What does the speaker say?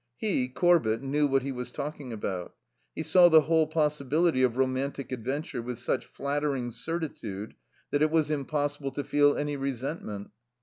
He, Corbett, knew what he was talking about. He saw the whole possibility of romantic adventure with such flattering certitude that it was impossible to feel any resentment.